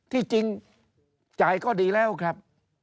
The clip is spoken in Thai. ที่จริงจ่ายก็ดีแล้วครับ